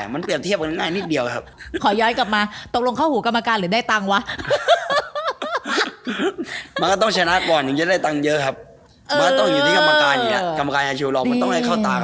มันก็ไม่สนุกนะครับประมาณนั้น